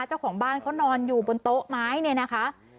เจ้าของบ้านเขานอนอยู่บนโต๊ะไม้เนี่ยนะคะ